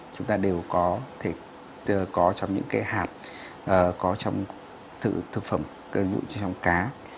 chúng ta đều có trong những cái hạt có trong thực phẩm có trong cá